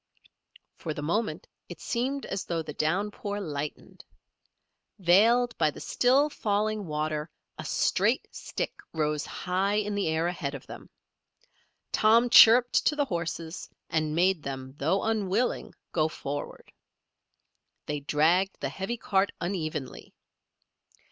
For the moment it seemed as though the downpour lightened. Veiled by the still falling water a straight stick rose high in the air ahead of them. Tom chirruped to the horses and made them, though unwilling, go forward. They dragged the heavy cart unevenly.